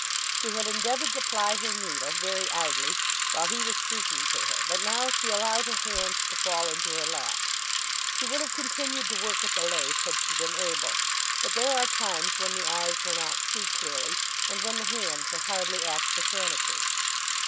She had endeavoured to ply her needle, very idly, while he was speaking to her, but now she allowed her hands to fall into her lap. She would have continued to work at the lace had she been able, but there are times when the eyes will not see clearly, and when the hands will hardly act mechanically.